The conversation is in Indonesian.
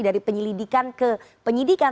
dari penyelidikan ke penyidikan